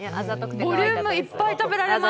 ボリュームいっぱいで食べられます。